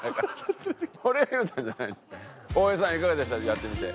やってみて。